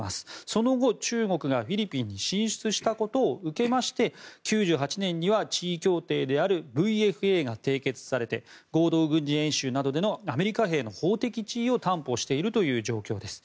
その後、中国がフィリピンに進出したことを受けまして１９９８年には地位協定であるＶＦＡが締結されて合同軍事演習などでのアメリカ兵の法的地位を担保しているという状況です。